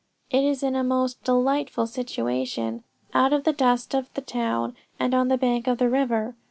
It is in a most delightful situation, out of the dust of the town and on the bank of the river....